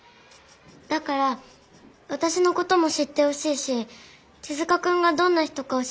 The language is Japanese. だからわたしのことも知ってほしいし手塚くんがどんな人か教えてほしい。